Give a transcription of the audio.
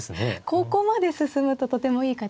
ここまで進むととてもいい形ですか。